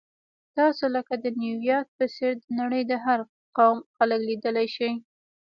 تاسو لکه د نیویارک په څېر د نړۍ د هر قوم خلک لیدلی شئ.